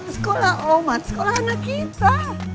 sekolah omat sekolah anak kita